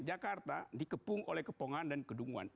jakarta dikepung oleh kepongan dan kedunguan